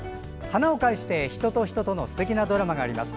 花を介して人と人とのすてきなドラマがあります。